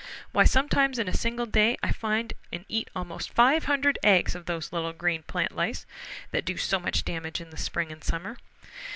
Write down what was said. Why, sometimes in a single day I find and eat almost five hundred eggs of those little green plant lice that do so much damage in the spring and summer.